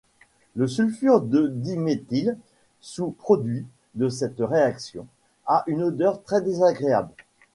Le sulfure de diméthyle, sous-produit de cette réaction, a une odeur très désagréable.